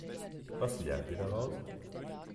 Was lernen wir daraus?